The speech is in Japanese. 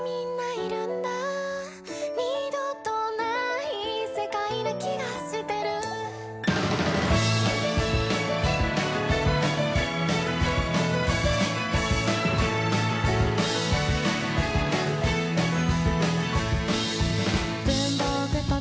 「二度とない世界な気がしてる」「文房具と時計